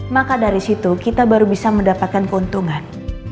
maka dari situ kita baru bisa mendapatkan keuntungan